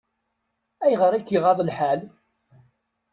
Ayɣer i k-iɣaḍ lḥal?